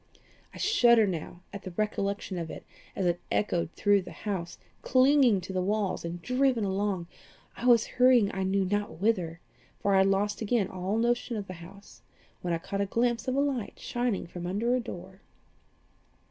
I shudder now at the recollection of it as it echoed through the house, clinging to the walls and driven along. I was hurrying I knew not whither, for I had again lost all notion of the house, when I caught a glimpse of a light shining from under a door.